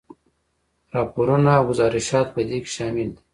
راپورونه او ګذارشات په دې کې شامل دي.